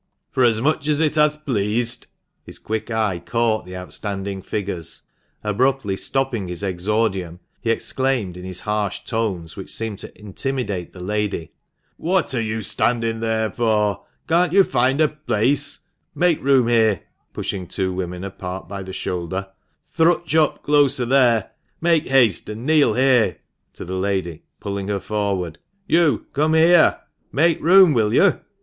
" Forasmuch as it hath pleased " His quick eye caught the outstanding figures. Abruptly stopping his exordium, he exclaimed, in his harsh tones, which seemed to intimidate the lady, " What are you standing there for ? Can't you find a place ? Make room here !" (pushing two women apart by the shoulder), " thrutch up closer there ! Make haste, and kneel here !" (to the lady, pulling her forward). " You come here ; make room, will you